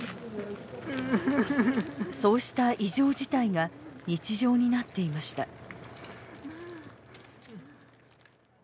そうした異常事態が日常になっていました。